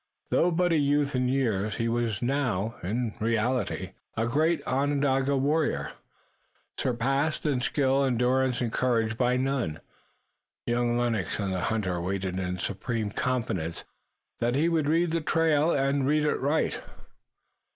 Though but a youth in years he was now, in reality, a great Onondaga warrior, surpassed in skill, endurance and courage by none. Young Lennox and the hunter waited in supreme confidence that he would read the trail and read it right.